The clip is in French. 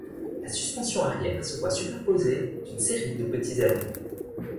La suspension arrière se voit superposée d'une série de petits ailerons.